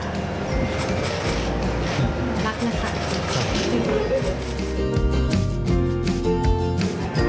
รักนะคะ